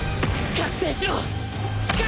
覚醒しろ！